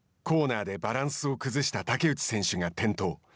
コーナーでバランスを崩した竹内選手が転倒。